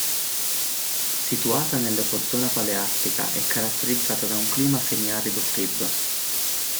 Situata nell'ecozona paleartica, è caratterizzata da un clima semi-arido freddo.